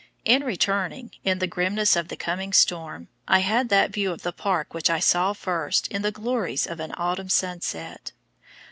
In returning, in the grimness of the coming storm, I had that view of the park which I saw first in the glories of an autumn sunset.